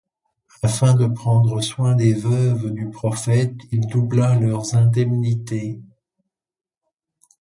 Afin de prendre soin des veuves du prophète, il doubla leurs indemnités.